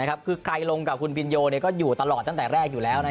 คือใครลงกับคุณพินโยก็อยู่ตลอดตั้งแต่แรกอยู่แล้ว